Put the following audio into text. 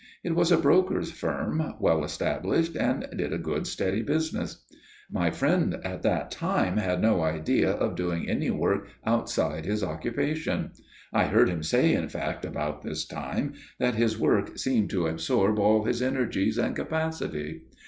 It was a broker's firm, well established and did a good steady business. My friend at that time had no idea of doing any work outside his occupation. I heard him say in fact, about this time, that his work seemed to absorb all his energies and capacity.